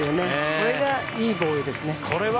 これがいいボールですね。